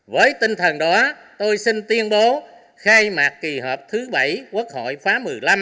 với tinh thần đó tôi xin tiên bố khai mạc kỳ họp thứ bảy quốc hội phá một mươi năm xin trân trọng cảm ơn